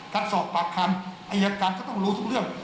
การสอบปากคำอายการก็ต้องรู้ทุกเรื่อง